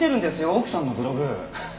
奥さんのブログ。